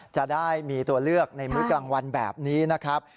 จะได้มีตัวเลือกในมื้อกลางวันแบบนี้นะครับ